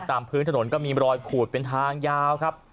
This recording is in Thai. ตามพื้นถนนก็มีรอยขูดเป็นทางยาวครับ